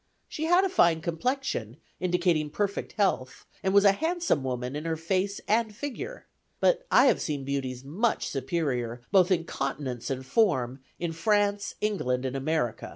She had a fine complexion, indicating perfect health, and was a handsome woman in her face and figure. But I have seen beauties much superior, both in countenance and form, in France, England, and America."